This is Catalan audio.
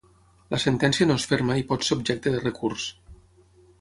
La sentència no és ferma i pot ser objecte de recurs.